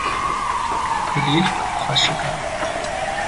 Kulîlk xweşik e